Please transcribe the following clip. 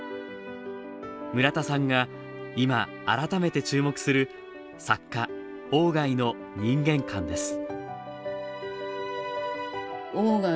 村田さんが今、改めて注目する作家、鴎外の人間観です。